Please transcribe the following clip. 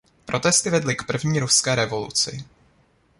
Protesty vedly k první ruské revoluci.